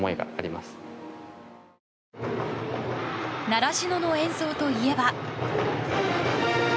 習志野の演奏といえば。